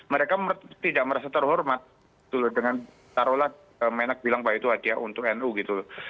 mereka tidak merasa terhormat dengan taruhlah menak bilang bahwa itu hadiah untuk nu gitu